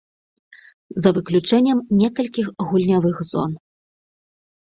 За выключэннем некалькіх гульнявых зон.